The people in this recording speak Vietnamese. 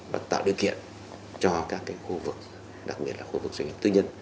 và tạo điều kiện cho các khu vực đặc biệt là khu vực doanh nghiệp tư nhân